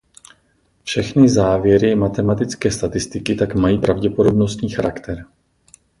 Všechny závěry matematické statistiky tak mají pravděpodobnostní charakter.